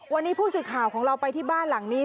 วันนี้ผู้สื่อข่าวของเราไปที่บ้านหลังนี้